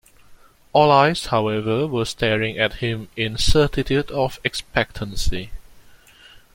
All eyes, however, were staring at him in certitude of expectancy.